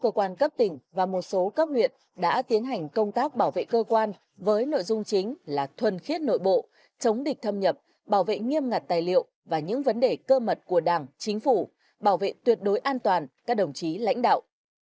cơ quan cấp tỉnh và một số cấp huyện đã tiến hành công tác bảo vệ cơ quan với nội dung chính là thuần khiết nội bộ chống địch thâm nhập bảo vệ nghiêm ngặt tài liệu và những vấn đề cơ mật của đảng chính phủ bảo vệ tuyệt đối an toàn các đồng chí lãnh đạo